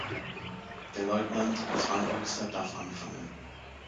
Der Leutnant als Ranghöchster darf anfangen.